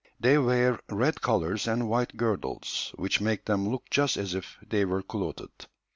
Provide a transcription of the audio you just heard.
They wear red collars and white girdles, which make them look just as if they were clothed.